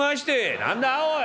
「何だおい！」。